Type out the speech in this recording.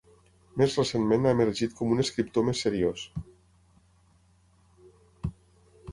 Més recentment ha emergit com un escriptor més seriós.